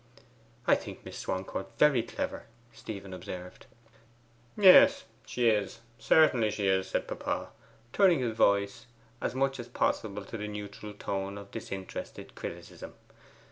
'I think Miss Swancourt very clever,' Stephen observed. 'Yes, she is; certainly, she is,' said papa, turning his voice as much as possible to the neutral tone of disinterested criticism.